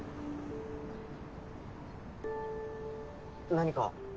何か？